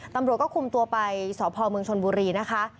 ตำรวจก็คุมตัวไปสพเมืองชนบุรีนะคะ